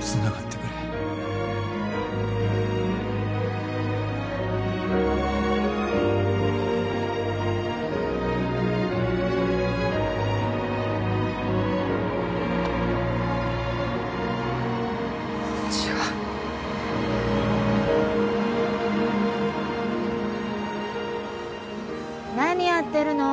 つながってくれ違う何やってるの？